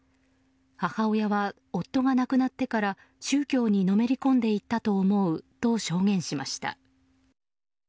母親は夫が亡くなってから宗教にのめり込んでいったと思うと証言しました。